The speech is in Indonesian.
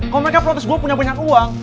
kok mereka protes gue punya banyak uang